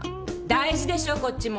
大事でしょこっちも。